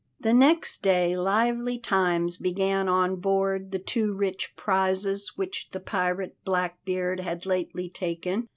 The next day lively times began on board the two rich prizes which the pirate Blackbeard had lately taken.